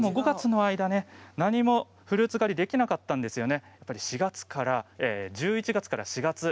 ５月の間、何もフルーツ狩りできなかったんですね。